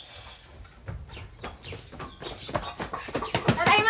ただいま！